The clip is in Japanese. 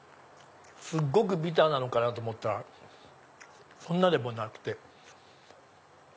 すっごくビターなのかと思ったらそんなでもなくて。